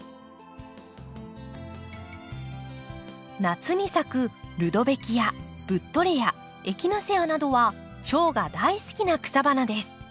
夏に咲くルドベキアブッドレアエキナセアなどはチョウが大好きな草花です。